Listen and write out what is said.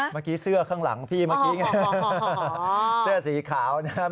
เมื่อกี้เสื้อข้างหลังพี่เมื่อกี้ไงเสื้อสีขาวนะครับ